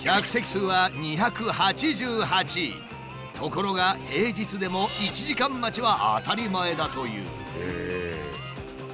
ところが平日でも１時間待ちは当たり前だという。